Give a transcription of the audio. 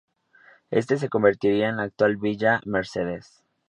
Éste se convertiría en la actual Villa Mercedes.